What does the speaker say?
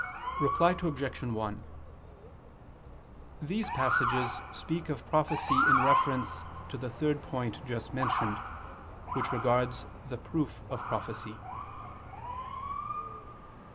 Reply Obj. 1: These passages speak of prophecy in reference to the third point just mentioned, which regards the proof of prophecy.